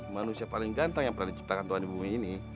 manusia paling gantang yang pernah diciptakan tuhan di bumi ini